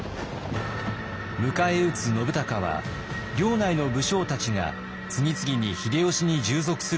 迎え撃つ信孝は領内の武将たちが次々に秀吉に従属するのを見て降伏。